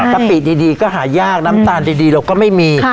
กะปิดีก็หายากน้ำตาลดีเราก็ไม่มี